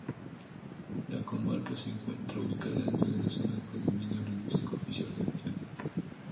La comarca se encuentra ubicada dentro de la zona de predominio lingüístico oficial valenciano.